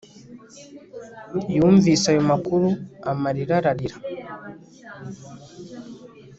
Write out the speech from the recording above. Yumvise ayo makuru amarira ararira